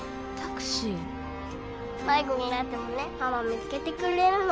迷子になってもねママ見つけてくれるの。